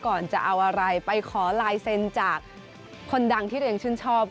ก่อนจะเอาอะไรไปขอลายเซ็นจากคนดังที่ตัวเองชื่นชอบ